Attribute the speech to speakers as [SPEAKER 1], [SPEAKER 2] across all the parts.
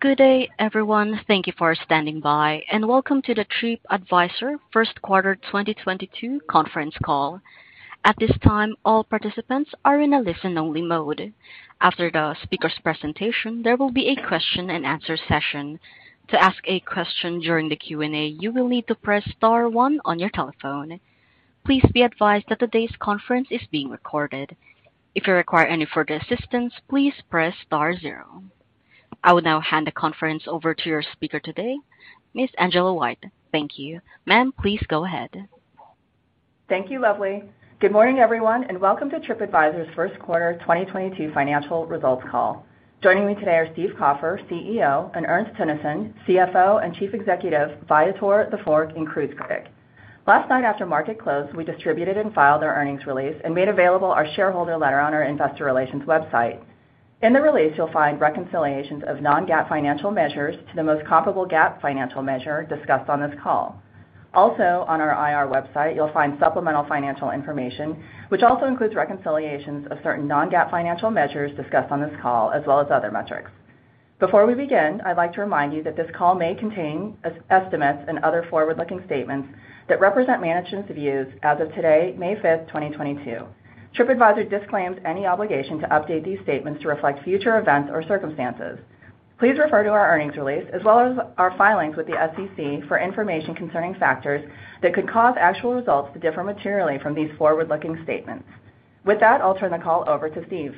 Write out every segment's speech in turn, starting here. [SPEAKER 1] Good day, everyone. Thank you for standing by, and welcome to the TripAdvisor First Quarter 2022 conference call. At this time, all participants are in a listen-only mode. After the speaker's presentation, there will be a question-and-answer session. To ask a question during the Q&A, you will need to press star one on your telephone. Please be advised that today's conference is being recorded. If you require any further assistance, please press star zero. I would now hand the conference over to your speaker today, Ms. Angela White. Thank you. Ma'am, please go ahead.
[SPEAKER 2] Thank you, Lovely. Good morning, everyone, and welcome to TripAdvisor's first quarter 2022 financial results call. Joining me today are Steve Kaufer, CEO, and Ernst Teunissen, CFO, and Chief Executive, Viator, TheFork and Cruise Critic. Last night after market close, we distributed and filed our earnings release and made available our shareholder letter on our investor relations website. In the release, you'll find reconciliations of non-GAAP financial measures to the most comparable GAAP financial measure discussed on this call. Also, on our IR website, you'll find supplemental financial information, which also includes reconciliations of certain non-GAAP financial measures discussed on this call, as well as other metrics. Before we begin, I'd like to remind you that this call may contain estimates and other forward-looking statements that represent management's views as of today, May 5th, 2022. TripAdvisor disclaims any obligation to update these statements to reflect future events or circumstances. Please refer to our earnings release as well as our filings with the SEC for information concerning factors that could cause actual results to differ materially from these forward-looking statements. With that, I'll turn the call over to Steve.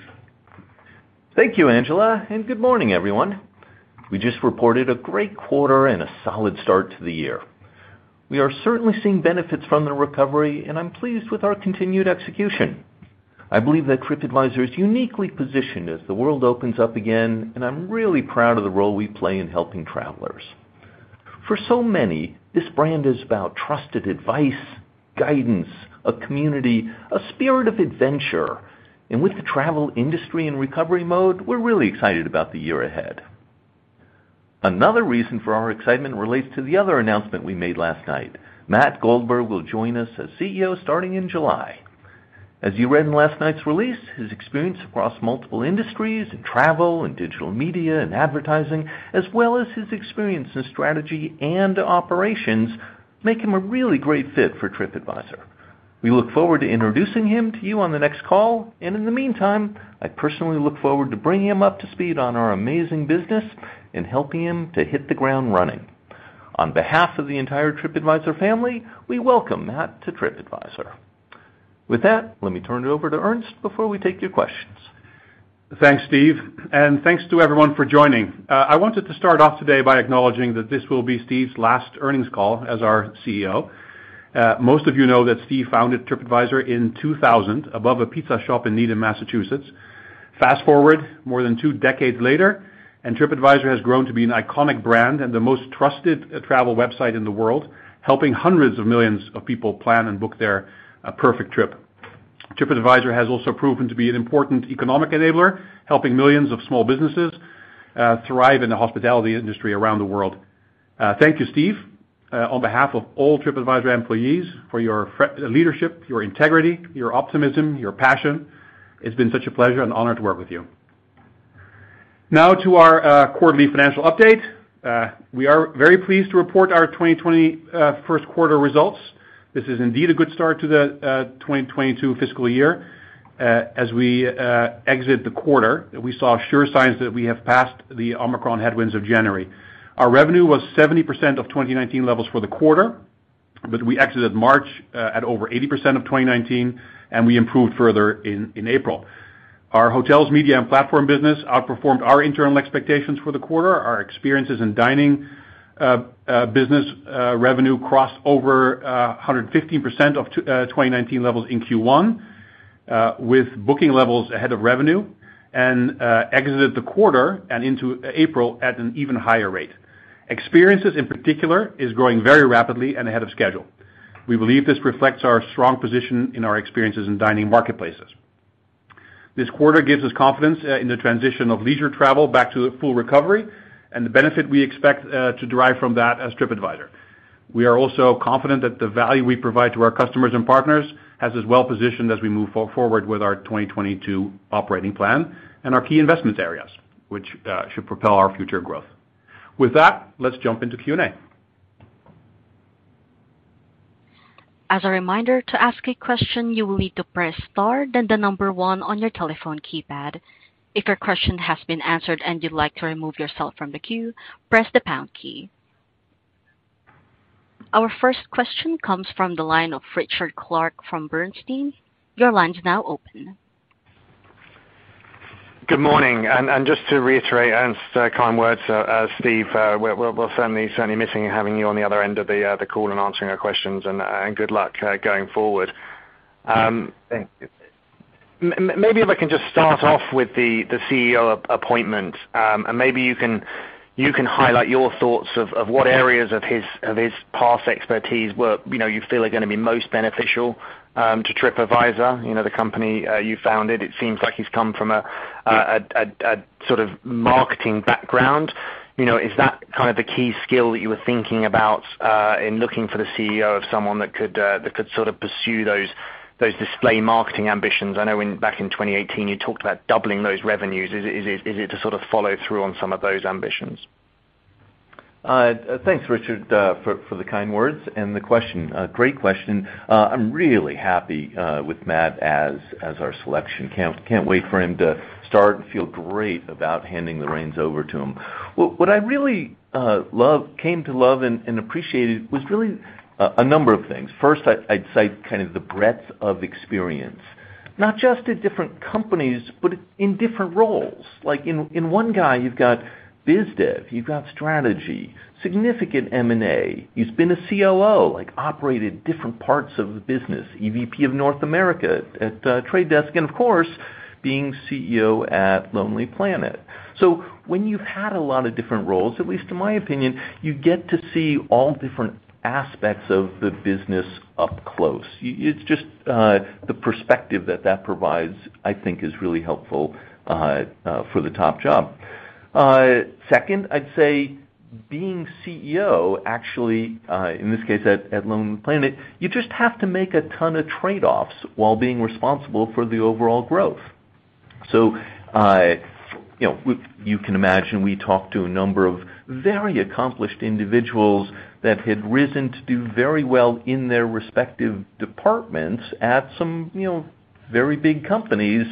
[SPEAKER 3] Thank you, Angela, and good morning, everyone. We just reported a great quarter and a solid start to the year. We are certainly seeing benefits from the recovery, and I'm pleased with our continued execution. I believe that TripAdvisor is uniquely positioned as the world opens up again, and I'm really proud of the role we play in helping travelers. For so many, this brand is about trusted advice, guidance, a community, a spirit of adventure. With the travel industry in recovery mode, we're really excited about the year ahead. Another reason for our excitement relates to the other announcement we made last night. Matt Goldberg will join us as CEO starting in July. As you read in last night's release, his experience across multiple industries in travel and digital media and advertising, as well as his experience in strategy and operations, make him a really great fit for TripAdvisor. We look forward to introducing him to you on the next call, and in the meantime, I personally look forward to bringing him up to speed on our amazing business and helping him to hit the ground running. On behalf of the entire TripAdvisor family, we welcome Matt to TripAdvisor. With that, let me turn it over to Ernst before we take your questions.
[SPEAKER 4] Thanks, Steve, and thanks to everyone for joining. I wanted to start off today by acknowledging that this will be Steve's last earnings call as our CEO. Most of you know that Steve founded TripAdvisor in 2000 above a pizza shop in Needham, Massachusetts. Fast-forward more than two decades later, and TripAdvisor has grown to be an iconic brand and the most trusted travel website in the world, helping hundreds of millions of people plan and book their perfect trip. TripAdvisor has also proven to be an important economic enabler, helping millions of small businesses thrive in the hospitality industry around the world. Thank you, Steve, on behalf of all TripAdvisor employees for your leadership, your integrity, your optimism, your passion. It's been such a pleasure and honor to work with you. Now to our quarterly financial update. We are very pleased to report our 2020 first quarter results. This is indeed a good start to the 2022 fiscal year. As we exit the quarter, we saw sure signs that we have passed the Omicron headwinds of January. Our revenue was 70% of 2019 levels for the quarter, but we exited March at over 80% of 2019, and we improved further in April. Our Hotels, Media, and Platform business outperformed our internal expectations for the quarter. Our Experiences and Dining business revenue crossed over 115% of 2019 levels in Q1, with booking levels ahead of revenue and exited the quarter and into April at an even higher rate. Experiences in particular is growing very rapidly and ahead of schedule. We believe this reflects our strong position in our experiences in dining marketplaces. This quarter gives us confidence in the transition of leisure travel back to full recovery and the benefit we expect to derive from that as TripAdvisor. We are also confident that the value we provide to our customers and partners has us well-positioned as we move forward with our 2022 operating plan and our key investment areas, which should propel our future growth. With that, let's jump into Q&A.
[SPEAKER 1] As a reminder, to ask a question, you will need to press star then the number one on your telephone keypad. If your question has been answered and you'd like to remove yourself from the queue, press the pound key. Our first question comes from the line of Richard Clarke from Bernstein. Your line's now open.
[SPEAKER 5] Good morning, and just to reiterate Ernst's kind words, Steve, we're certainly missing having you on the other end of the call and answering our questions, and good luck going forward.
[SPEAKER 3] Thank you.
[SPEAKER 5] Maybe if I can just start off with the CEO appointment, and maybe you can highlight your thoughts of what areas of his past expertise were, you know, you feel are gonna be most beneficial to TripAdvisor, you know, the company you founded. It seems like he's come from a sort of marketing background. You know, is that kind of the key skill that you were thinking about in looking for the CEO of someone that could sort of pursue those- Those display marketing ambitions. I know back in 2018, you talked about doubling those revenues. Is it to sort of follow through on some of those ambitions?
[SPEAKER 3] Thanks Richard, for the kind words and the question. Great question. I'm really happy with Matt as our selection. Can't wait for him to start and feel great about handing the reins over to him. What I really came to love and appreciated was really a number of things. First, I'd cite kind of the breadth of experience, not just at different companies, but in different roles. Like in one guy you've got biz dev, you've got strategy, significant M&A. He's been a COO, like, operated different parts of the business, EVP of North America at The Trade Desk, and of course, being CEO at Lonely Planet. When you've had a lot of different roles, at least in my opinion, you get to see all different aspects of the business up close. It's just, the perspective that that provides, I think is really helpful, for the top job. Second, I'd say being CEO, actually, in this case at Lonely Planet, you just have to make a ton of trade-offs while being responsible for the overall growth. You know, you can imagine, we talked to a number of very accomplished individuals that had risen to do very well in their respective departments at some, you know, very big companies.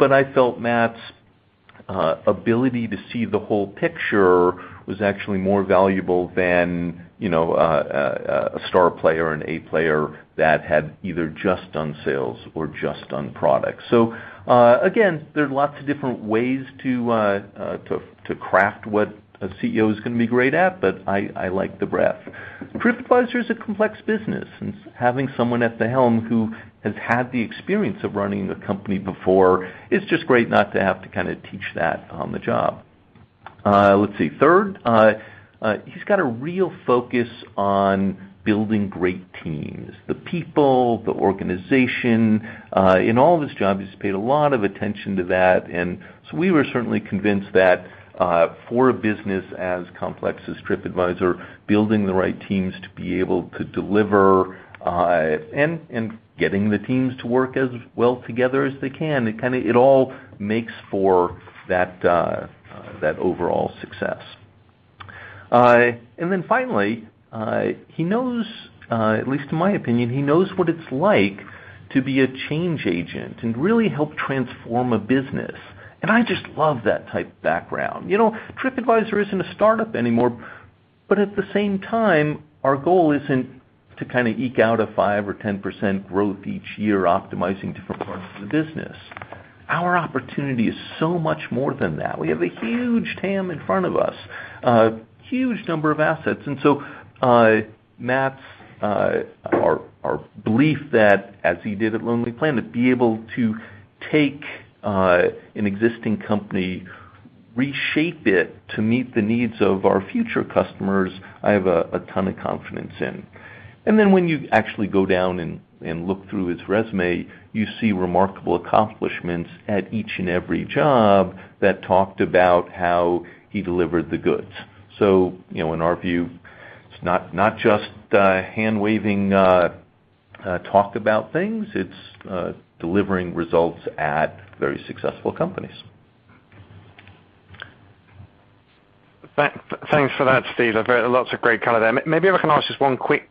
[SPEAKER 3] I felt Matt's ability to see the whole picture was actually more valuable than, you know, a star player, an A player that had either just done sales or just done product. Again, there are lots of different ways to craft what a CEO is gonna be great at, but I like the breadth. TripAdvisor is a complex business, and having someone at the helm who has had the experience of running the company before, it's just great not to have to kind of teach that on the job. Let's see. Third, he's got a real focus on building great teams, the people, the organization. In all of his jobs, he's paid a lot of attention to that. We were certainly convinced that, for a business as complex as TripAdvisor, building the right teams to be able to deliver, and getting the teams to work as well together as they can, it all makes for that overall success. Finally, he knows at least in my opinion what it's like to be a change agent and really help transform a business. I just love that type of background. You know, TripAdvisor isn't a startup anymore, but at the same time, our goal isn't to kind of eke out a 5% or 10% growth each year, optimizing different parts of the business. Our opportunity is so much more than that. We have a huge TAM in front of us, a huge number of assets. That's our belief that as he did at Lonely Planet, be able to take an existing company, reshape it to meet the needs of our future customers. I have a ton of confidence in. Then when you actually go down and look through his resume, you see remarkable accomplishments at each and every job that talked about how he delivered the goods. You know, in our view, it's not just hand-waving talk about things, it's delivering results at very successful companies.
[SPEAKER 5] Thanks for that, Steve. I've heard lots of great color there. Maybe I can ask just one quick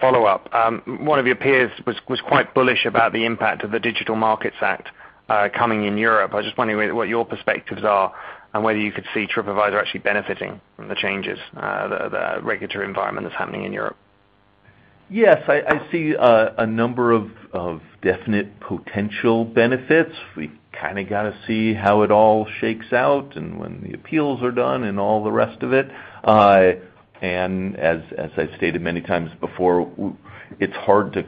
[SPEAKER 5] follow-up. One of your peers was quite bullish about the impact of the Digital Markets Act coming in Europe. I was just wondering what your perspectives are and whether you could see TripAdvisor actually benefiting from the changes, the regulatory environment that's happening in Europe.
[SPEAKER 3] Yes, I see a number of definite potential benefits. We kind of got to see how it all shakes out and when the appeals are done and all the rest of it. As I've stated many times before, it's hard to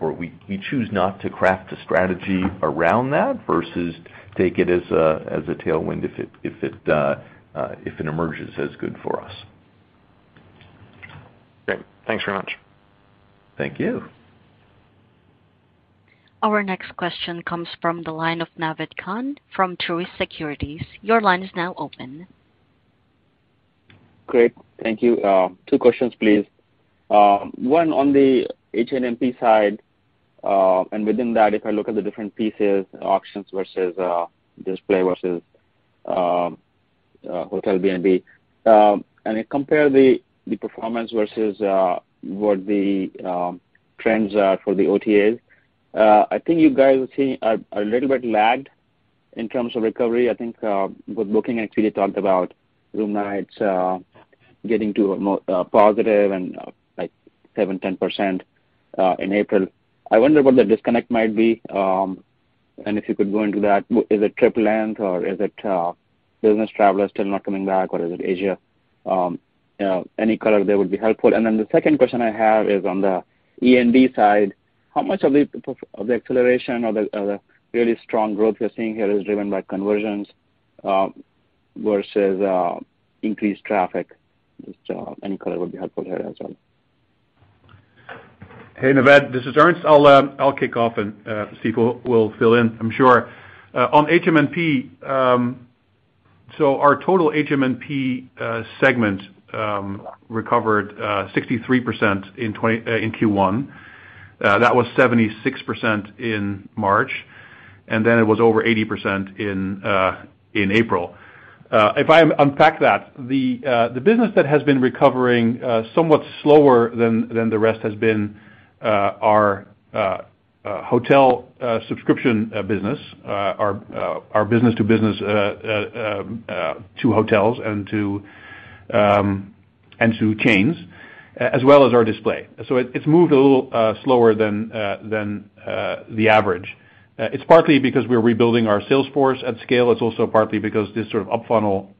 [SPEAKER 3] or we choose not to craft a strategy around that versus take it as a tailwind if it emerges as good for us.
[SPEAKER 5] Great. Thanks very much.
[SPEAKER 3] Thank you.
[SPEAKER 1] Our next question comes from the line of Naved Khan from Truist Securities. Your line is now open.
[SPEAKER 6] Great. Thank you. Two questions, please. One on the HM&P side, and within that, if I look at the different pieces, auctions versus display versus Hotel B2B, and I compare the performance versus what the trends are for the OTAs, I think you guys are a little bit lagged in terms of recovery. I think with Booking actually talked about room nights getting to a positive and like 7%-10% in April. I wonder what the disconnect might be, and if you could go into that. Is it trip length or is it business travelers still not coming back, or is it Asia? Any color there would be helpful. The second question I have is on the E&D side, how much of the acceleration or the really strong growth you're seeing here is driven by conversions versus increased traffic? Just any color would be helpful here as well.
[SPEAKER 4] Hey, Naved, this is Ernst. I'll kick off and Steve will fill in, I'm sure. On HM&P, our total HM&P segment recovered 63% in Q1. That was 76% in March, and then it was over 80% in April. If I unpack that, the business that has been recovering somewhat slower than the rest has been our hotel subscription business, our business to business to hotels and to chains, as well as our display. It's moved a little slower than the average. It's partly because we're rebuilding our sales force at scale. It's also partly because this sort of up-funnel,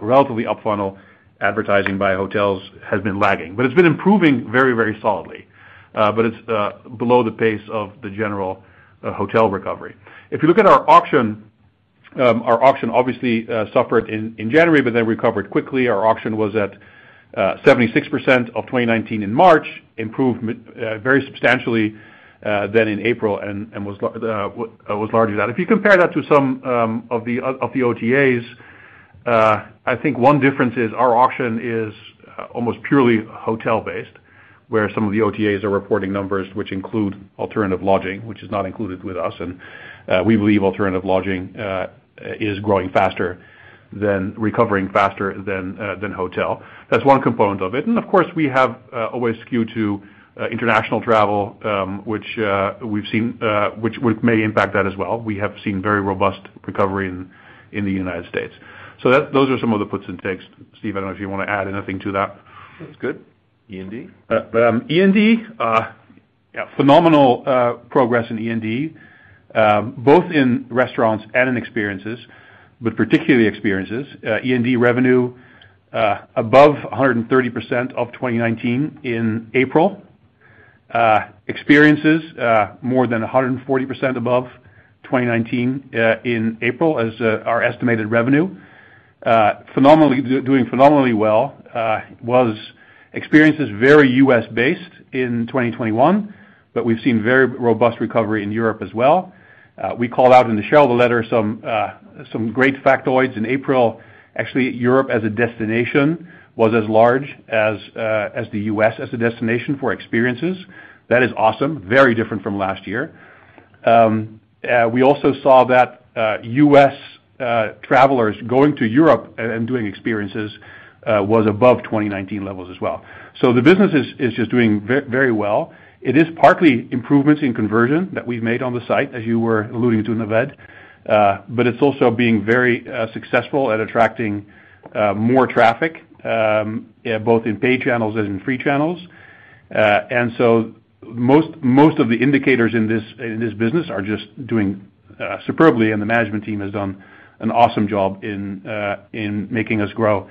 [SPEAKER 4] relatively up-funnel advertising by hotels has been lagging. It's been improving very, very solidly. It's below the pace of the general hotel recovery. If you look at our auction obviously suffered in January but then recovered quickly. Our auction was at 76% of 2019 in March, improved very substantially then in April and was largely that. If you compare that to some of the OTAs, I think one difference is our auction is almost purely hotel-based, where some of the OTAs are reporting numbers which include alternative lodging, which is not included with us. We believe alternative lodging is recovering faster than hotel. That's one component of it. Of course, we have always skewed to international travel, which we've seen, which may impact that as well. We have seen very robust recovery in the United States. Those are some of the puts and takes. Steve, I don't know if you want to add anything to that.
[SPEAKER 3] E&D, yeah, phenomenal progress in E&D, both in restaurants and in experiences, but particularly experiences. E&D revenue above 130% of 2019 in April. Experiences more than 140% above 2019 in April as our estimated revenue. Doing phenomenally well, experiences very U.S.-based in 2021, but we've seen very robust recovery in Europe as well. We called out in the shareholder letter some great factoids in April. Actually, Europe as a destination was as large as the U.S. as a destination for experiences. That is awesome, very different from last year. We also saw that U.S. travelers going to Europe and doing experiences was above 2019 levels as well. The business is just doing very well. It is partly improvements in conversion that we've made on the site, as you were alluding to, Naved. It's also being very successful at attracting more traffic both in paid channels and in free channels. Most of the indicators in this business are just doing superbly, and the management team has done an awesome job in making us grow.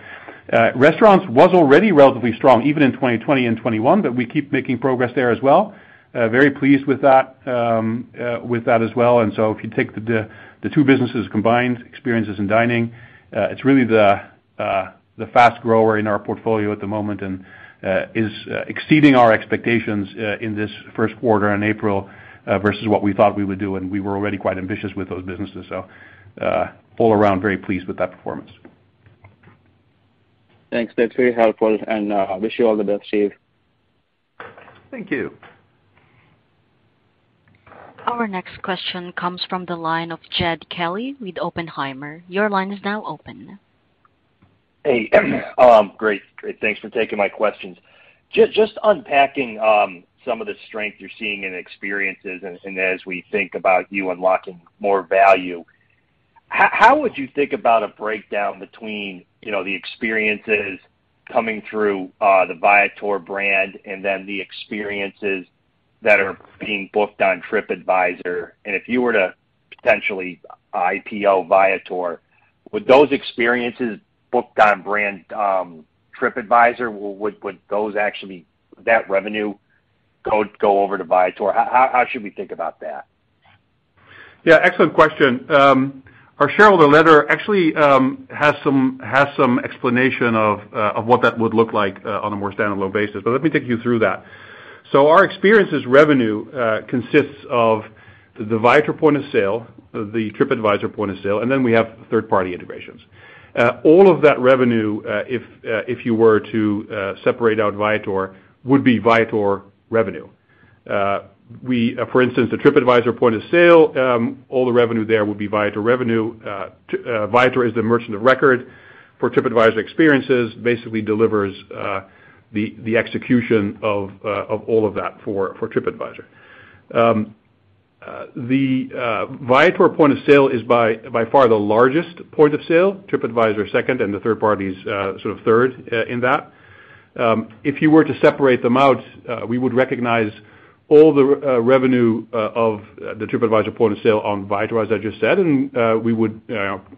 [SPEAKER 3] Restaurants was already relatively strong even in 2020 and 2021, but we keep making progress there as well. Very pleased with that as well. If you take the two businesses combined, experiences and dining, it's really the fast grower in our portfolio at the moment and is exceeding our expectations in this first quarter in April versus what we thought we would do, and we were already quite ambitious with those businesses. All around very pleased with that performance.
[SPEAKER 6] Thanks. That's very helpful and, wish you all the best, Steve.
[SPEAKER 3] Thank you.
[SPEAKER 1] Our next question comes from the line of Jed Kelly with Oppenheimer. Your line is now open.
[SPEAKER 7] Hey. Great. Great, thanks for taking my questions. Just unpacking some of the strength you're seeing in experiences and as we think about you unlocking more value, how would you think about a breakdown between, you know, the experiences coming through the Viator brand and then the experiences that are being booked on TripAdvisor? If you were to potentially IPO Viator, would those experiences booked on brand TripAdvisor, would those actually that revenue go over to Viator? How should we think about that?
[SPEAKER 3] Yeah, excellent question. Our shareholder letter actually has some explanation of what that would look like on a more stand-alone basis. Let me take you through that. Our experiences revenue consists of the Viator point of sale, the TripAdvisor point of sale, and then we have third-party integrations. All of that revenue, if you were to separate out Viator, would be Viator revenue. For instance, the TripAdvisor point of sale, all the revenue there would be Viator revenue. Viator is the merchant of record for TripAdvisor experiences, basically delivers the execution of all of that for TripAdvisor. The Viator point of sale is by far the largest point of sale, TripAdvisor second, and the third parties sort of third in that. If you were to separate them out, we would recognize all the revenue of the TripAdvisor point of sale on Viator, as I just said, and we would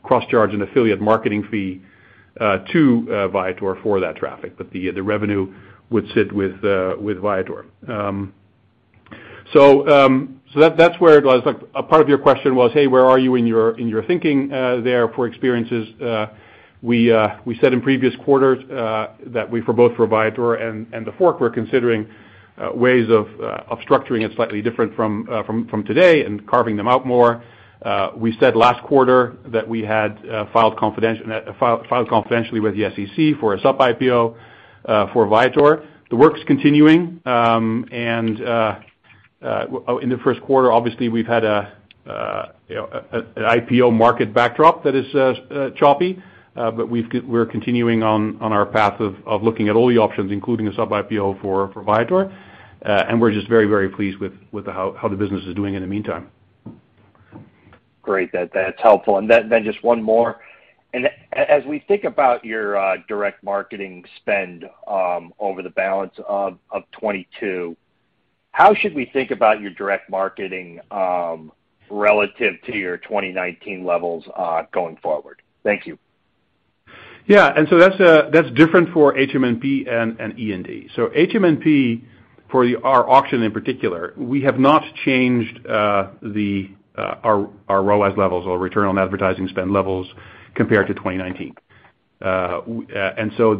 [SPEAKER 3] cross-charge an affiliate marketing fee to Viator for that traffic. The revenue would sit with Viator. That's where it was. Like, a part of your question was, hey, where are you in your thinking there for experiences? We said in previous quarters that for both Viator and TheFork, we're considering ways of structuring it slightly different from today and carving them out more. We said last quarter that we had filed confidentially with the SEC for a sub-IPO for Viator. The work's continuing. In the first quarter, obviously, we've had, you know, an IPO market backdrop that is choppy. But we're continuing on our path of looking at all the options, including a sub-IPO for Viator. We're just very pleased with how the business is doing in the meantime.
[SPEAKER 7] Great. That's helpful. Just one more. As we think about your direct marketing spend over the balance of 2022, how should we think about your direct marketing relative to your 2019 levels going forward? Thank you.
[SPEAKER 3] Yeah. That's different for HM&P and E&D. HM&P for our auction in particular, we have not changed our ROAS levels or return on advertising spend levels compared to 2019.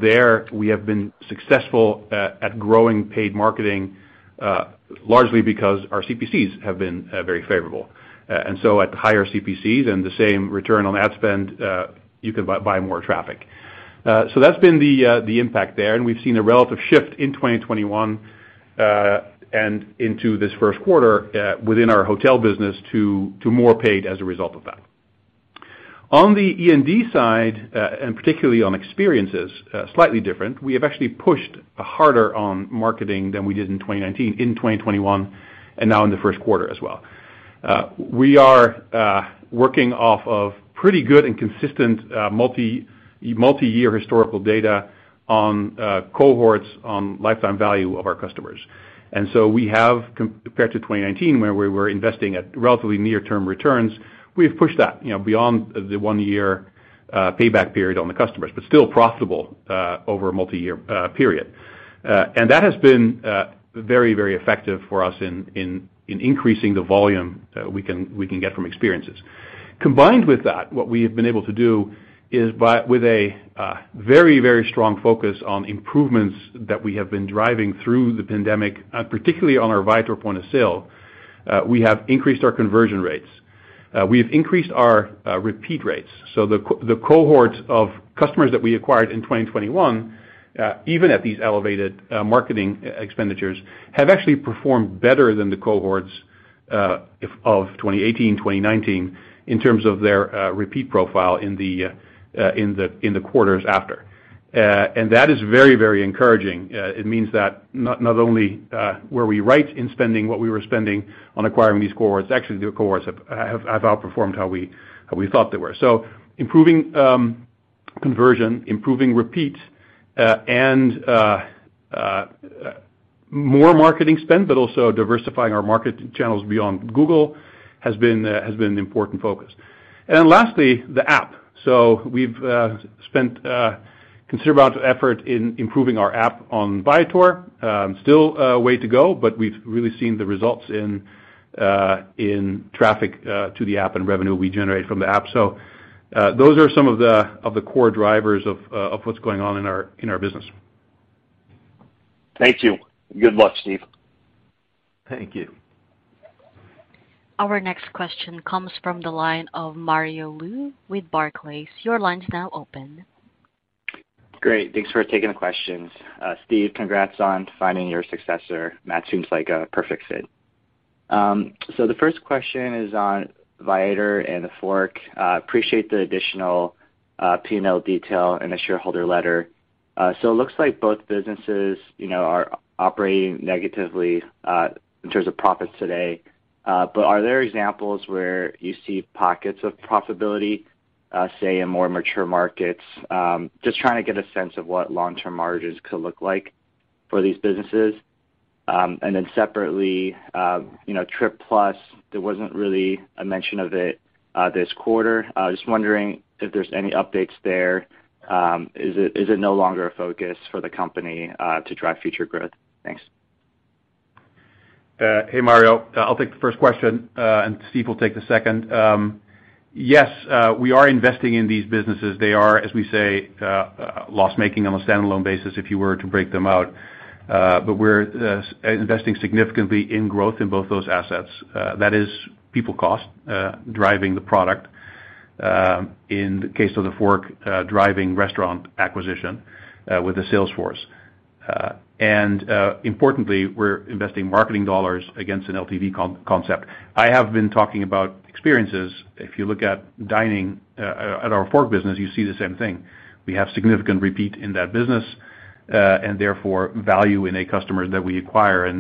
[SPEAKER 3] There, we have been successful at growing paid marketing largely because our CPCs have been very favorable. At higher CPCs and the same return on ad spend, you can buy more traffic. That's been the impact there, and we've seen a relative shift in 2021 and into this first quarter within our hotel business to more paid as a result of that. On the E&D side, particularly on experiences, slightly different, we have actually pushed harder on marketing than we did in 2019, in 2021, and now in the first quarter as well. We are working off of pretty good and consistent multi-year historical data on cohorts on lifetime value of our customers. We have compared to 2019, where we were investing at relatively near-term returns, we've pushed that, you know, beyond the one-year payback period on the customers, but still profitable over a multi-year period. That has been very effective for us in increasing the volume we can get from experiences. Combined with that, what we have been able to do is with a very, very strong focus on improvements that we have been driving through the pandemic, particularly on our Viator point of sale, we have increased our conversion rates. We've increased our repeat rates. The cohorts of customers that we acquired in 2021, even at these elevated marketing expenditures, have actually performed better than the cohorts of 2018, 2019 in terms of their repeat profile in the quarters after. That is very, very encouraging. It means that not only were we right in spending what we were spending on acquiring these cohorts, actually, the cohorts have outperformed how we thought they were. Improving conversion, improving repeat, and more marketing spend, but also diversifying our marketing channels beyond Google has been an important focus. Lastly, the app. We've spent considerable amount of effort in improving our app on Viator. Still a way to go, but we've really seen the results in traffic to the app and revenue we generate from the app. Those are some of the core drivers of what's going on in our business.
[SPEAKER 7] Thank you. Good luck, Steve.
[SPEAKER 3] Thank you.
[SPEAKER 1] Our next question comes from the line of Mario Lu with Barclays. Your line's now open.
[SPEAKER 8] Great. Thanks for taking the questions. Steve, congrats on finding your successor. Matt seems like a perfect fit. The first question is on Viator and TheFork. Appreciate the additional P&L detail in the shareholder letter. It looks like both businesses, you know, are operating negatively in terms of profits today. Are there examples where you see pockets of profitability, say, in more mature markets? Just trying to get a sense of what long-term margins could look like for these businesses. Separately, you know, TripAdvisor Plus, there wasn't really a mention of it this quarter. Just wondering if there's any updates there. Is it no longer a focus for the company to drive future growth? Thanks.
[SPEAKER 4] Hey, Mario. I'll take the first question, and Steve will take the second. Yes, we are investing in these businesses. They are, as we say, loss-making on a standalone basis if you were to break them out. But we're investing significantly in growth in both those assets. That is people cost, driving the product, in the case of TheFork, driving restaurant acquisition, with the sales force. Importantly, we're investing marketing dollars against an LTV concept. I have been talking about experiences. If you look at dining, at our TheFork business, you see the same thing. We have significant repeat in that business, and therefore value in a customer that we acquire. As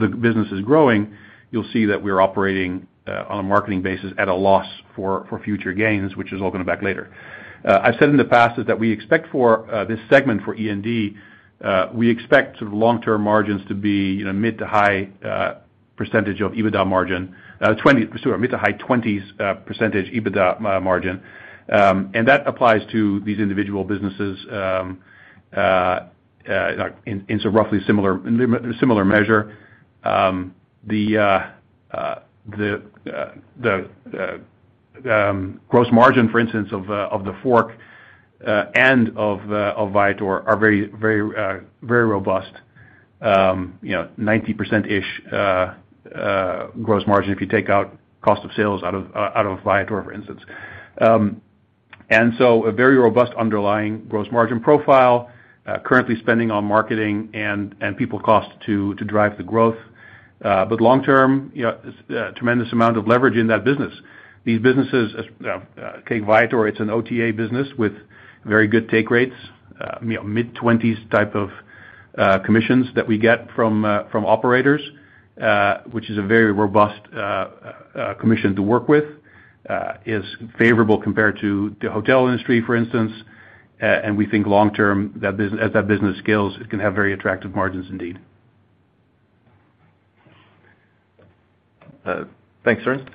[SPEAKER 4] the business is growing, you'll see that we're operating on a marketing basis at a loss for future gains, which is all going to pay back later. I've said in the past that we expect for this segment, E&D, sort of long-term margins to be, you know, mid- to high-20s % EBITDA margin. That applies to these individual businesses in some roughly similar measure. The gross margin, for instance, of TheFork and of Viator are very robust, you know, 90%-ish gross margin if you take out cost of sales out of Viator, for instance. A very robust underlying gross margin profile, currently spending on marketing and people costs to drive the growth. But long term, you know, tremendous amount of leverage in that business. These businesses, take Viator, it's an OTA business with very good take rates, you know, mid-20s type of commissions that we get from operators, which is a very robust commission to work with, is favorable compared to the hotel industry, for instance. We think long term, that business as that business scales, it can have very attractive margins indeed.
[SPEAKER 3] Thanks, Ernst.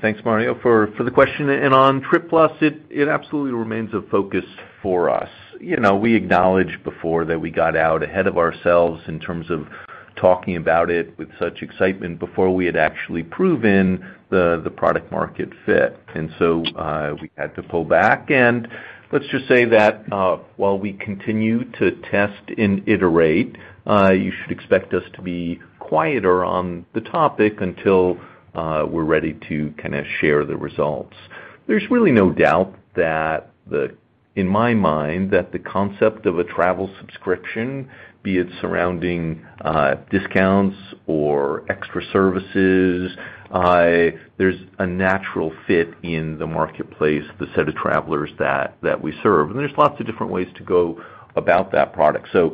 [SPEAKER 3] Thanks, Mario, for the question. On TripAdvisor Plus, it absolutely remains a focus for us. You know, we acknowledged before that we got out ahead of ourselves in terms of talking about it with such excitement before we had actually proven the product market fit. We had to pull back, and let's just say that while we continue to test and iterate, you should expect us to be quieter on the topic until we're ready to kind of share the results. There's really no doubt in my mind that the concept of a travel subscription, be it surrounding discounts or extra services, there's a natural fit in the marketplace, the set of travelers that we serve. There's lots of different ways to go about that product. To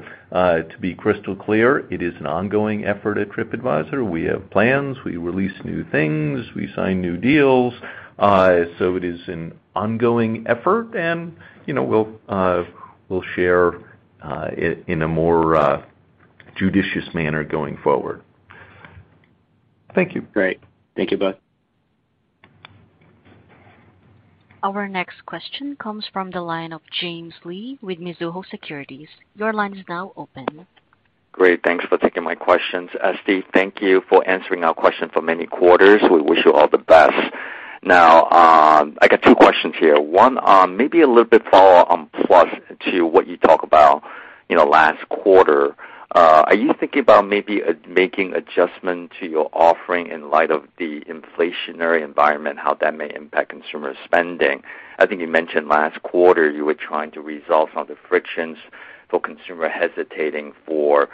[SPEAKER 3] be crystal clear, it is an ongoing effort at TripAdvisor. We have plans, we release new things, we sign new deals. It is an ongoing effort and, you know, we'll share in a more judicious manner going forward.
[SPEAKER 8] Great. Thank you both.
[SPEAKER 1] Our next question comes from the line of James Lee with Mizuho Securities. Your line is now open.
[SPEAKER 9] Great. Thanks for taking my questions. Steve, thank you for answering our question for many quarters. We wish you all the best. Now, I got two questions here. One, maybe a little bit follow-on to Plus to what you talked about, you know, last quarter. Are you thinking about maybe making adjustment to your offering in light of the inflationary environment, how that may impact consumer spending? I think you mentioned last quarter you were trying to resolve some of the frictions for consumer hesitating for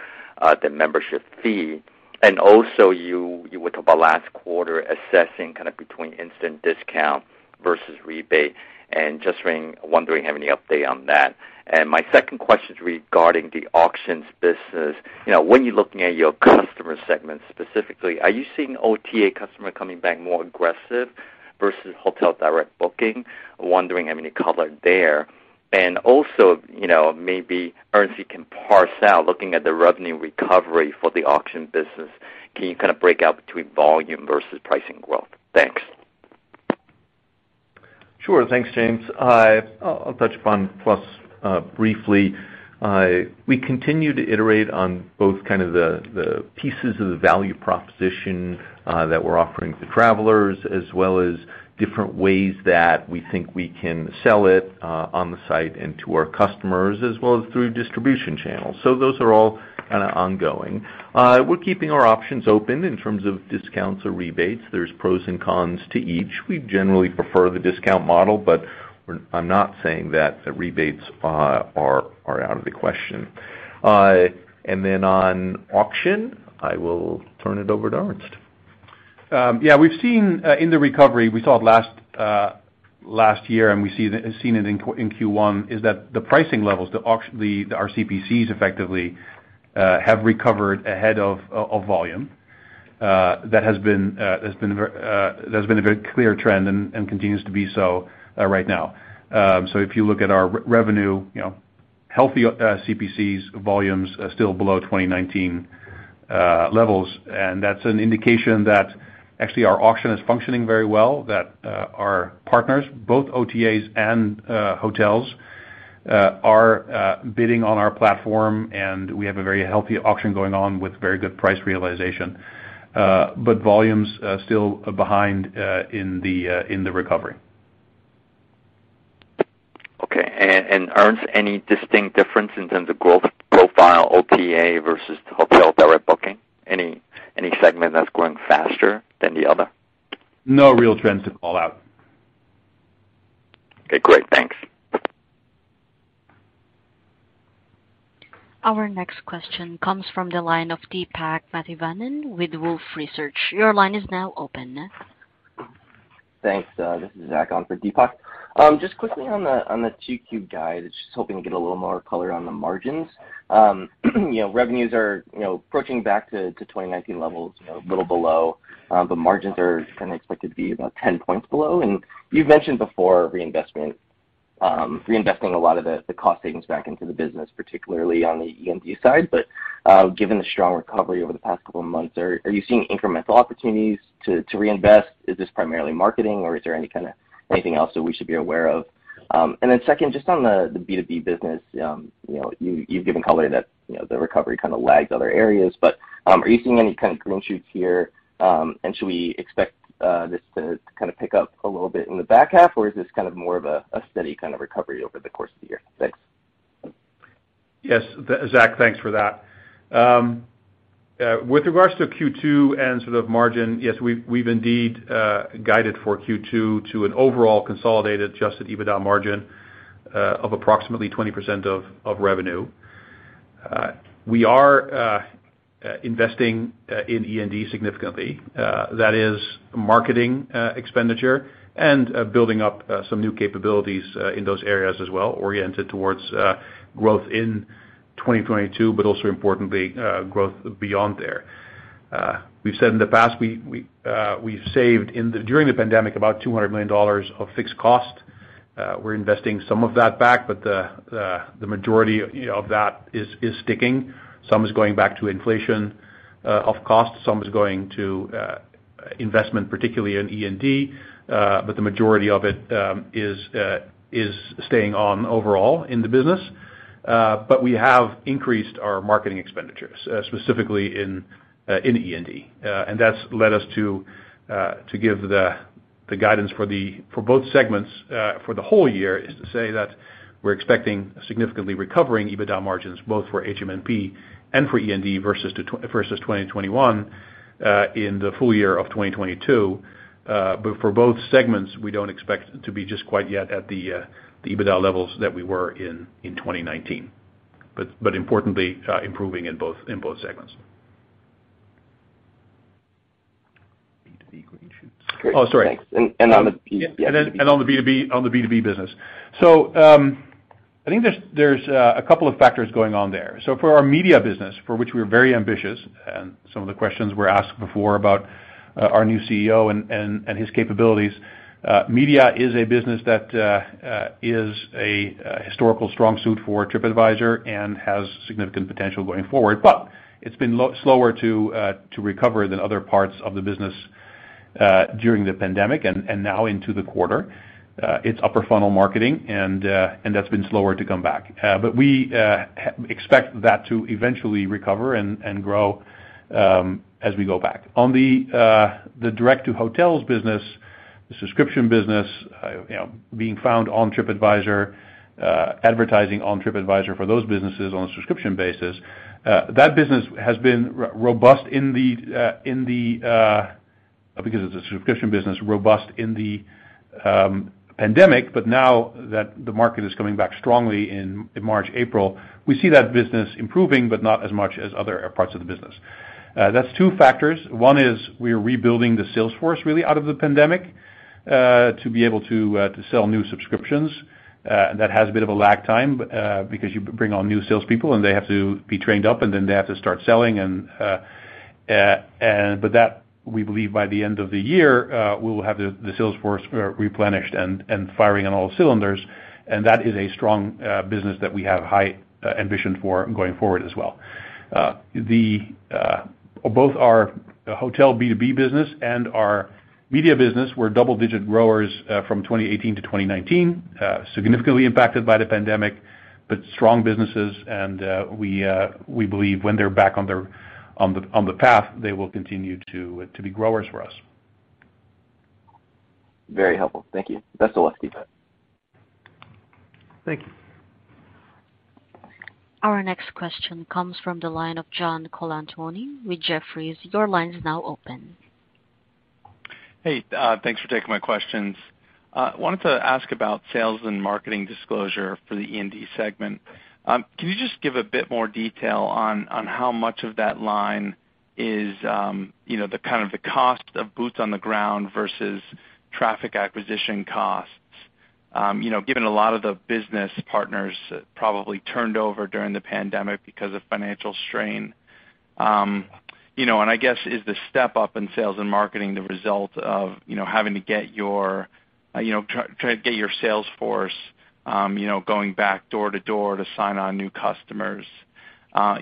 [SPEAKER 9] the membership fee. And also you were talking about last quarter assessing kind of between instant discount versus rebate, and just wondering, have any update on that. And my second question is regarding the auctions business. You know, when you're looking at your customer segments specifically, are you seeing OTA customer coming back more aggressive versus hotel direct booking? Wondering, I mean, the color there. Also, you know, maybe Ernst you can parse out looking at the revenue recovery for the Viator business. Can you kind of break out between volume versus pricing growth? Thanks.
[SPEAKER 3] Sure. Thanks, James. I'll touch upon Plus briefly. We continue to iterate on both the pieces of the value proposition that we're offering to travelers, as well as different ways that we think we can sell it on the site and to our customers, as well as through distribution channels. Those are all ongoing. We're keeping our options open in terms of discounts or rebates. There's pros and cons to each. We generally prefer the discount model, but I'm not saying that the rebates are out of the question. On auction, I will turn it over to Ernst.
[SPEAKER 4] Yeah, we've seen in the recovery, we saw it last year, and we've seen it in Q1, that the pricing levels, our CPCs effectively have recovered ahead of volume. That has been a very clear trend and continues to be so right now. So if you look at our revenue, you know, healthy CPCs, volumes are still below 2019 levels. That's an indication that actually our auction is functioning very well, that our partners, both OTAs and hotels, are bidding on our platform, and we have a very healthy auction going on with very good price realization. But volumes still behind in the recovery.
[SPEAKER 9] Ernst, any distinct difference in terms of growth profile OTA versus hotel direct booking? Any segment that's growing faster than the other?
[SPEAKER 4] No real trends to call out.
[SPEAKER 9] Okay, great. Thanks.
[SPEAKER 1] Our next question comes from the line of Deepak Mathivanan with Wolfe Research. Your line is now open.
[SPEAKER 10] Thanks. This is Zach on for Deepak. Just quickly on the 2Q guide, just hoping to get a little more color on the margins. You know, revenues are approaching back to 2019 levels, a little below, but margins are kind of expected to be about 10 points below. You've mentioned before reinvestment, reinvesting a lot of the cost savings back into the business, particularly on the E&D side. Given the strong recovery over the past couple of months, are you seeing incremental opportunities to reinvest? Is this primarily marketing, or is there any kind of anything else that we should be aware of? Second, just on the B2B business, you know, you've given color that, you know, the recovery kind of lags other areas, but are you seeing any kind of green shoots here? Should we expect this to kind of pick up a little bit in the back half, or is this kind of more of a steady kind of recovery over the course of the year? Thanks.
[SPEAKER 4] Yes. Thanks, Zach, thanks for that. With regards to Q2 and sort of margin, yes, we've indeed guided for Q2 to an overall consolidated adjusted EBITDA margin of approximately 20% of revenue. We are investing in E&D significantly, that is marketing expenditure and building up some new capabilities in those areas as well, oriented towards growth in 2022, but also importantly, growth beyond there. We've said in the past, we've saved during the pandemic about $200 million of fixed cost. We're investing some of that back, but the majority, you know, of that is sticking. Some is going back to inflation of cost, some is going to investment, particularly in E&D, but the majority of it is staying on overall in the business. We have increased our marketing expenditures, specifically in E&D. That's led us to give the guidance for both segments for the whole year, is to say that we're expecting significantly recovering EBITDA margins, both for HM&P and for E&D versus 2021 in the full year of 2022. For both segments, we don't expect to be quite yet at the EBITDA levels that we were in 2019. Importantly, improving in both segments.
[SPEAKER 3] B2B issues?
[SPEAKER 4] Oh, sorry.
[SPEAKER 10] Great. Thanks. On the B2B business.
[SPEAKER 4] On the B2B, on the B2B business. I think there's a couple of factors going on there. For our media business, for which we are very ambitious, and some of the questions were asked before about our new CEO and his capabilities, media is a business that is a historical strong suit for TripAdvisor and has significant potential going forward. But it's been slower to recover than other parts of the business during the pandemic and now into the quarter. It's upper funnel marketing and that's been slower to come back. But we expect that to eventually recover and grow as we go back. On the direct to hotels business, the subscription business, you know, being found on TripAdvisor, advertising on TripAdvisor for those businesses on a subscription basis, that business has been robust in the pandemic, because it's a subscription business, but now that the market is coming back strongly in March, April, we see that business improving, but not as much as other parts of the business. That's two factors. One is we are rebuilding the sales force really out of the pandemic to be able to sell new subscriptions. That has a bit of a lag time, because you bring on new salespeople, and they have to be trained up, and then they have to start selling, but that, we believe by the end of the year, we will have the sales force replenished and firing on all cylinders. That is a strong business that we have high ambition for going forward as well. Both our Hotel B2B business and our media business were double-digit growers from 2018 to 2019, significantly impacted by the pandemic, but strong businesses, and we believe when they're back on the path, they will continue to be growers for us.
[SPEAKER 10] Very helpful. Thank you. Best of luck to you both.
[SPEAKER 3] Thank you.
[SPEAKER 1] Our next question comes from the line of John Colantuoni with Jefferies. Your line is now open.
[SPEAKER 11] Hey, thanks for taking my questions. Wanted to ask about sales and marketing disclosure for the E&D segment. Can you just give a bit more detail on how much of that line is, you know, the kind of the cost of boots on the ground versus traffic acquisition costs? You know, given a lot of the business partners probably turned over during the pandemic because of financial strain. You know, and I guess is the step up in sales and marketing the result of, you know, having to get your, you know, try to get your sales force, you know, going back door to door to sign on new customers?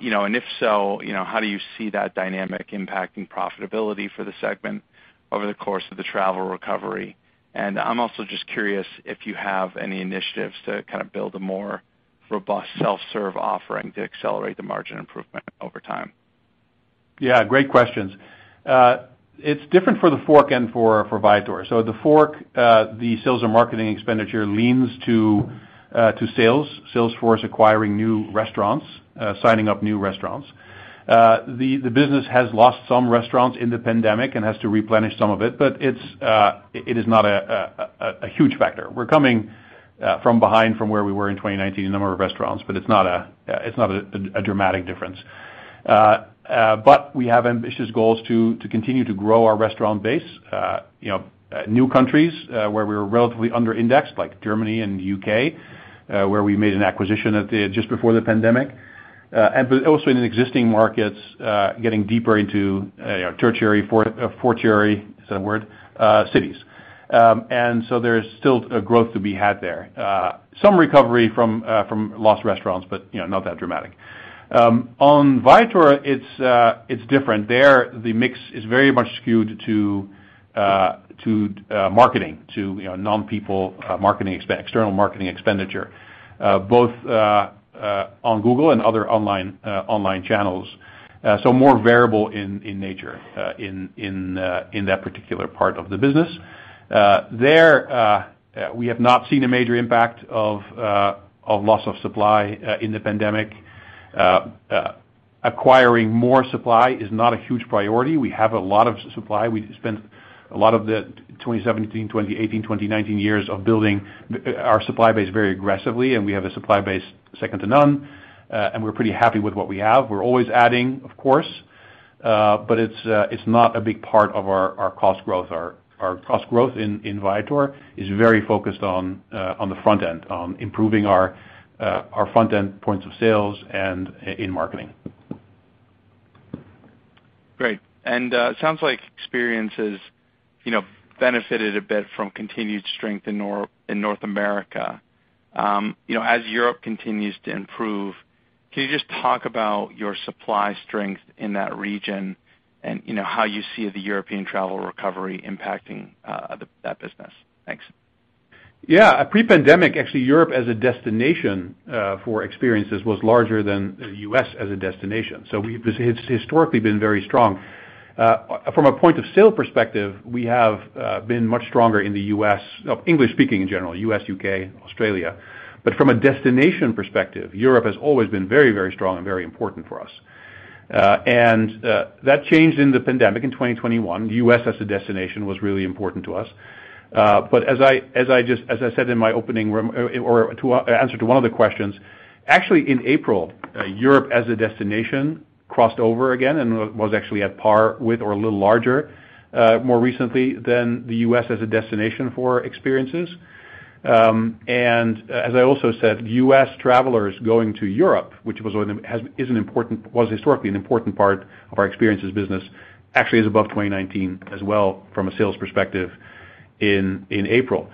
[SPEAKER 11] You know, and if so, you know, how do you see that dynamic impacting profitability for the segment over the course of the travel recovery? I'm also just curious if you have any initiatives to kind of build a more robust self-serve offering to accelerate the margin improvement over time.
[SPEAKER 4] Yeah, great questions. It's different for TheFork and for Viator. TheFork, the sales and marketing expenditure leans to sales force acquiring new restaurants, signing up new restaurants. The business has lost some restaurants in the pandemic and has to replenish some of it, but it is not a huge factor. We're coming from behind from where we were in 2019 in the number of restaurants, but it's not a dramatic difference. But we have ambitious goals to continue to grow our restaurant base, you know, new countries, where we were relatively under indexed, like Germany and U.K., where we made an acquisition just before the pandemic. Also in existing markets, getting deeper into, you know, tertiary, quaternary cities. There's still growth to be had there. Some recovery from lost restaurants, but, you know, not that dramatic. On Viator, it's different. There, the mix is very much skewed to marketing, to, you know, non-payroll external marketing expenditure, both on Google and other online channels. More variable in nature, in that particular part of the business. There, we have not seen a major impact of loss of supply in the pandemic. Acquiring more supply is not a huge priority. We have a lot of supply. We spent a lot of the 2017, 2018, 2019 years building our supply base very aggressively, and we have a supply base second to none, and we're pretty happy with what we have. We're always adding, of course, but it's not a big part of our cost growth. Our cost growth in Viator is very focused on the front end, on improving our front end points of sales and in marketing.
[SPEAKER 11] Great. Sounds like Experiences, you know, benefited a bit from continued strength in North America. You know, as Europe continues to improve, can you just talk about your supply strength in that region and, you know, how you see the European travel recovery impacting that business? Thanks.
[SPEAKER 3] Yeah. Pre-pandemic, actually, Europe as a destination for Experiences was larger than the US as a destination. This has historically been very strong. From a point of sale perspective, we have been much stronger in the U.S., of English-speaking in general, U.S., U.K., Australia. But from a destination perspective, Europe has always been very, very strong and very important for us. That changed in the pandemic in 2021. The U.S. as a destination was really important to us. But as I said in my opening remarks or to answer one of the questions, actually, in April, Europe as a destination crossed over again and was actually at par with or a little larger, more recently than the U.S. as a destination for Experiences. As I also said, U.S. travelers going to Europe, which was one of them, was historically an important part of our Experiences business, actually is above 2019 as well from a sales perspective in April.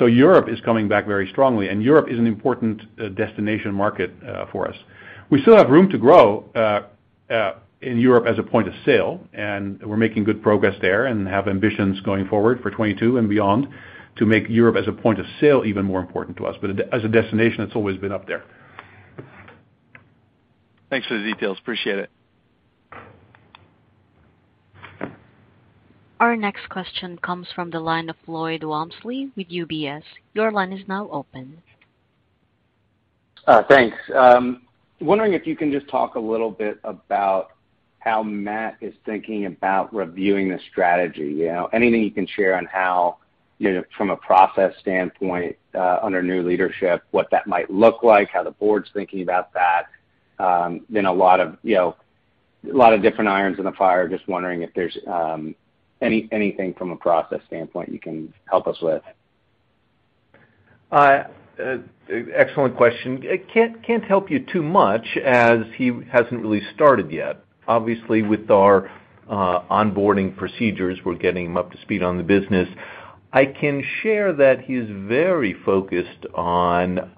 [SPEAKER 3] Europe is coming back very strongly, and Europe is an important destination market for us. We still have room to grow in Europe as a point of sale, and we're making good progress there and have ambitions going forward for 2022 and beyond to make Europe as a point of sale even more important to us. As a destination, it's always been up there.
[SPEAKER 11] Thanks for the details. Appreciate it.
[SPEAKER 1] Our next question comes from the line of Lloyd Walmsley with UBS. Your line is now open.
[SPEAKER 12] Thanks. Wondering if you can just talk a little bit about how Matt is thinking about reviewing the strategy. You know, anything you can share on how, you know, from a process standpoint, under new leadership, what that might look like, how the board's thinking about that. A lot of, you know, a lot of different irons in the fire. Just wondering if there's anything from a process standpoint you can help us with.
[SPEAKER 3] Excellent question. I can't help you too much as he hasn't really started yet. Obviously, with our onboarding procedures, we're getting him up to speed on the business. I can share that he's very focused on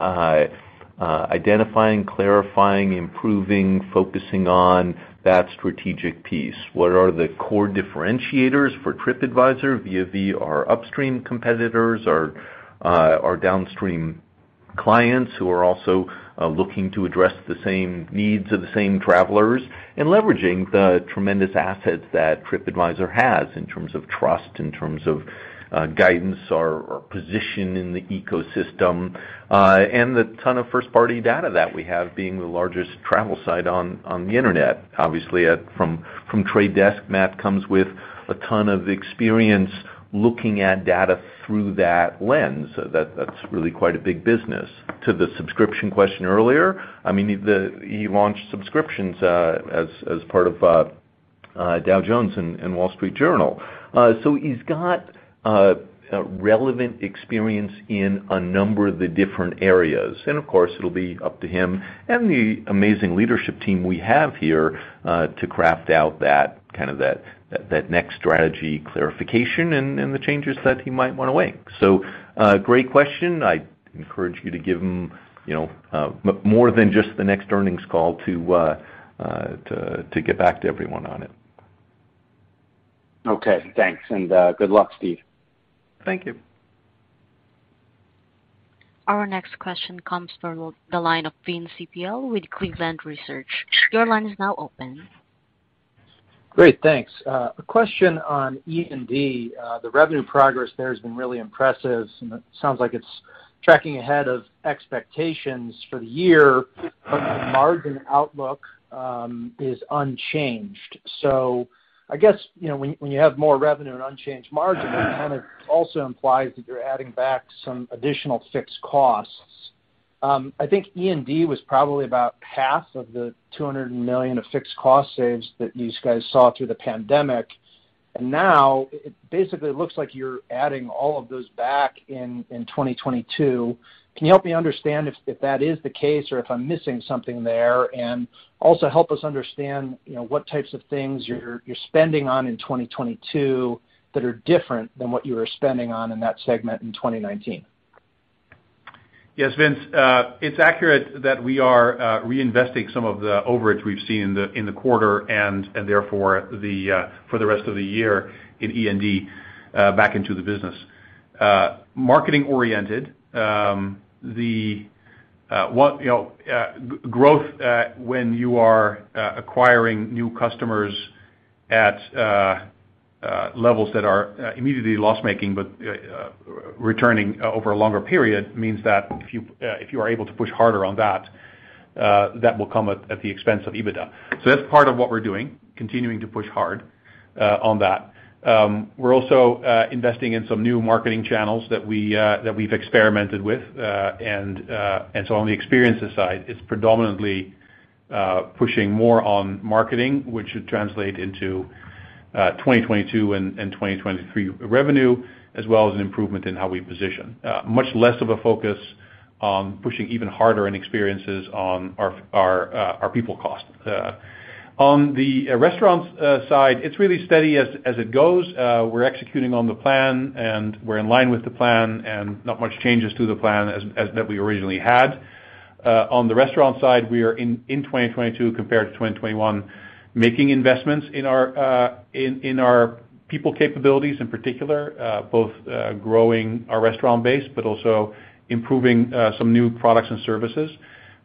[SPEAKER 3] identifying, clarifying, improving, focusing on that strategic piece. What are the core differentiators for TripAdvisor versus our upstream competitors or our downstream clients who are also looking to address the same needs of the same travelers, and leveraging the tremendous assets that TripAdvisor has in terms of trust, in terms of guidance or position in the ecosystem, and the ton of first-party data that we have being the largest travel site on the internet. Obviously, from The Trade Desk, Matt comes with a ton of experience looking at data through that lens. That's really quite a big business. To the subscription question earlier, I mean, he launched subscriptions as part of Dow Jones and Wall Street Journal. He's got relevant experience in a number of the different areas. Of course, it'll be up to him and the amazing leadership team we have here to carve out that next strategy clarification and the changes that he might wanna make. Great question. I'd encourage you to give him more than just the next earnings call to get back to everyone on it.
[SPEAKER 12] Okay. Thanks. Good luck, Steve.
[SPEAKER 3] Thank you.
[SPEAKER 1] Our next question comes from the line of Vince Ciepiel with Cleveland Research. Your line is now open.
[SPEAKER 13] Great. Thanks. A question on E&D. The revenue progress there has been really impressive, and it sounds like it's tracking ahead of expectations for the year, but the margin outlook is unchanged. I guess, you know, when you have more revenue and unchanged margin, it kind of also implies that you're adding back some additional fixed costs. I think E&D was probably about half of the $200 million of fixed cost saves that you guys saw through the pandemic. Now it basically looks like you're adding all of those back in 2022. Can you help me understand if that is the case or if I'm missing something there? Also help us understand, you know, what types of things you're spending on in 2022 that are different than what you were spending on in that segment in 2019?
[SPEAKER 4] Yes, Vince, it's accurate that we are reinvesting some of the overage we've seen in the quarter and therefore for the rest of the year in E&D back into the business. Marketing oriented, the one you know growth when you are levels that are immediately loss-making but returning over a longer period means that if you are able to push harder on that will come at the expense of EBITDA. That's part of what we're doing, continuing to push hard on that. We're also investing in some new marketing channels that we've experimented with. On the experiences side, it's predominantly pushing more on marketing, which should translate into 2022 and 2023 revenue, as well as an improvement in how we position. Much less of a focus on pushing even harder in experiences on our people cost. On the restaurants side, it's really steady as it goes. We're executing on the plan, and we're in line with the plan, and not much changes to the plan than that we originally had. On the restaurant side, we are in 2022 compared to 2021, making investments in our people capabilities in particular, both growing our restaurant base but also improving some new products and services.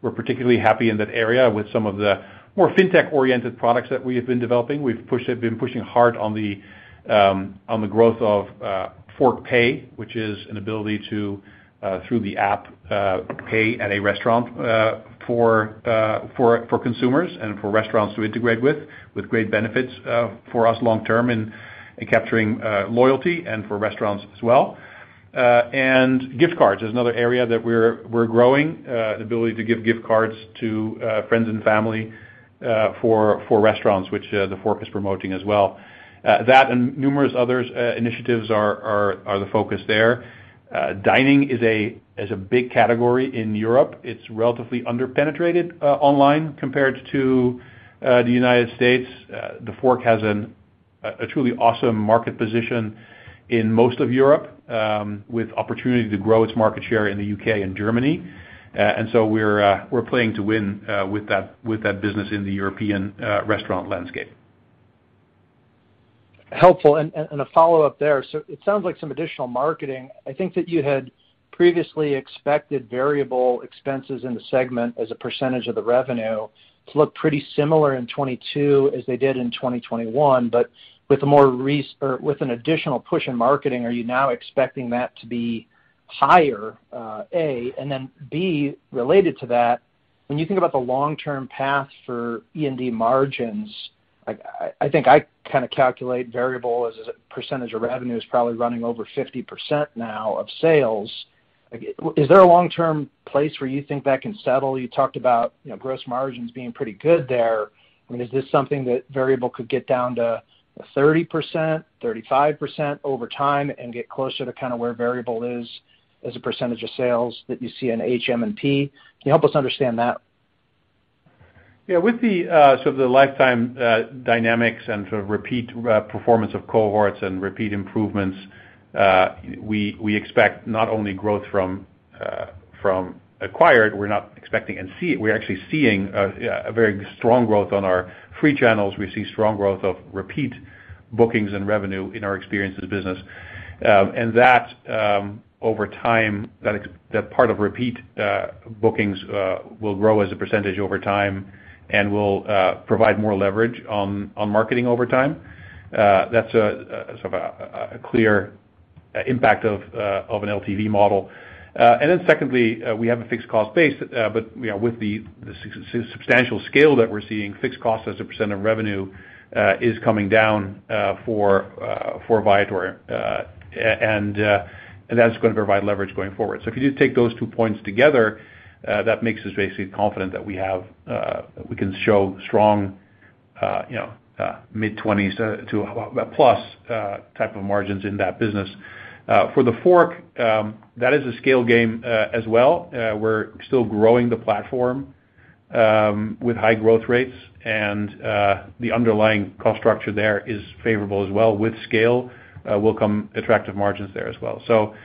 [SPEAKER 4] We're particularly happy in that area with some of the more fintech-oriented products that we have been developing. We've been pushing hard on the growth of TheFork PAY, which is an ability to through the app pay at a restaurant for consumers and for restaurants to integrate with great benefits for us long term in capturing loyalty and for restaurants as well. Gift cards is another area that we're growing, the ability to give gift cards to friends and family for restaurants, which TheFork is promoting as well. That and numerous other initiatives are the focus there. Dining is a big category in Europe. It's relatively under-penetrated online compared to the United States. TheFork has a truly awesome market position in most of Europe with opportunity to grow its market share in the U.K. and Germany. We're playing to win with that business in the European restaurant landscape.
[SPEAKER 13] Helpful. A follow-up there. It sounds like some additional marketing. I think that you had previously expected variable expenses in the segment as a percentage of the revenue to look pretty similar in 2022 as they did in 2021, but with an additional push in marketing, are you now expecting that to be higher, A? And then B, related to that, when you think about the long-term path for E&D margins, like I think I kind of calculate variable as a percentage of revenue is probably running over 50% now of sales. Is there a long-term place where you think that can settle? You talked about, you know, gross margins being pretty good there. I mean, is this something that variable could get down to 30%, 35% over time and get closer to kind of where variable is as a percentage of sales that you see in HM&P? Can you help us understand that?
[SPEAKER 4] Yeah. With the sort of lifetime dynamics and sort of repeat performance of cohorts and repeat improvements, we expect not only growth from acquired. We're actually seeing a very strong growth on our free channels. We see strong growth of repeat bookings and revenue in our experiences business. And that over time, that part of repeat bookings will grow as a percentage over time and will provide more leverage on marketing over time. That's sort of a clear impact of an LTV model. Secondly, we have a fixed cost base, but you know, with the substantial scale that we're seeing, fixed cost as a percent of revenue is coming down for Viator. And that's gonna provide leverage going forward. If you just take those two points together, that makes us basically confident that we have that we can show strong, you know, mid-20s% to plus type of margins in that business. For TheFork, that is a scale game as well. We're still growing the platform with high growth rates and the underlying cost structure there is favorable as well. With scale, will come attractive margins there as well.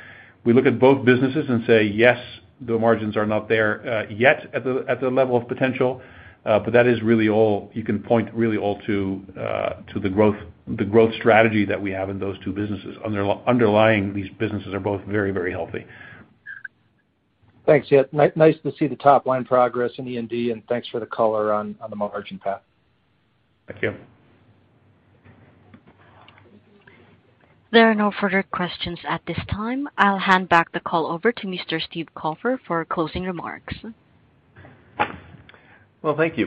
[SPEAKER 4] We look at both businesses and say, yes, the margins are not there yet at the level of potential, but that is really all you can point really all to the growth strategy that we have in those two businesses. Underlying these businesses are both very, very healthy.
[SPEAKER 13] Thanks. Yeah. Nice to see the top-line progress in E&D, and thanks for the color on the margin path.
[SPEAKER 4] Thank you.
[SPEAKER 1] There are no further questions at this time. I'll hand back the call over to Mr. Steve Kaufer for closing remarks.
[SPEAKER 3] Well, thank you.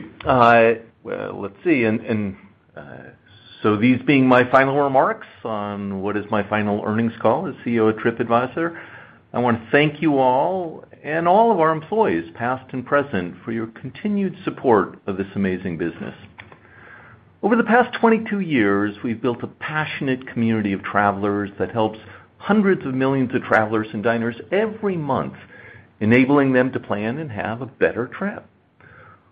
[SPEAKER 3] These being my final remarks on what is my final earnings call as CEO of TripAdvisor, I want to thank you all and all of our employees, past and present, for your continued support of this amazing business. Over the past 22 years, we've built a passionate community of travelers that helps hundreds of millions of travelers and diners every month, enabling them to plan and have a better trip.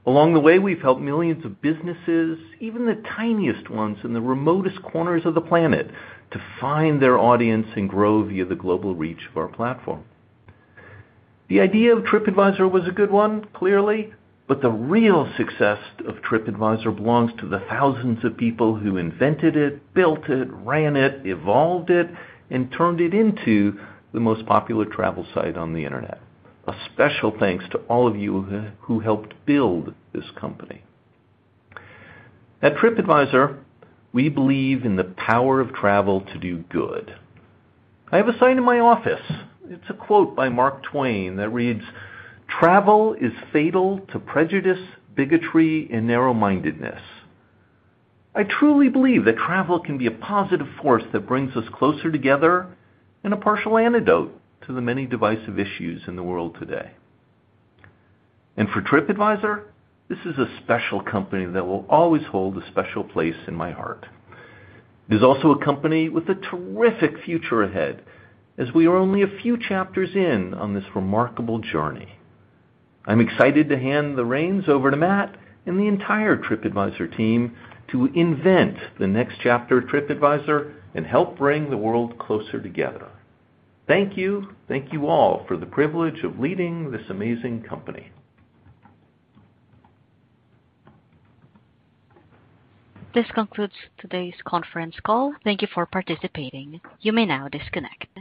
[SPEAKER 3] Along the way, we've helped millions of businesses, even the tiniest ones in the remotest corners of the planet, to find their audience and grow via the global reach of our platform. The idea of TripAdvisor was a good one, clearly, but the real success of TripAdvisor belongs to the thousands of people who invented it, built it, ran it, evolved it, and turned it into the most popular travel site on the internet. A special thanks to all of you who helped build this company. At TripAdvisor, we believe in the power of travel to do good. I have a sign in my office. It's a quote by Mark Twain that reads, "Travel is fatal to prejudice, bigotry, and narrow-mindedness." I truly believe that travel can be a positive force that brings us closer together and a partial antidote to the many divisive issues in the world today. For TripAdvisor, this is a special company that will always hold a special place in my heart. It is also a company with a terrific future ahead, as we are only a few chapters in on this remarkable journey. I'm excited to hand the reins over to Matt and the entire TripAdvisor team to invent the next chapter of TripAdvisor and help bring the world closer together. Thank you. Thank you all for the privilege of leading this amazing company.
[SPEAKER 1] This concludes today's conference call. Thank you for participating. You may now disconnect.